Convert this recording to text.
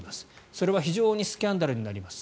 それは非常にスキャンダルになります